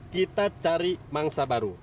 kita cari mangsa baru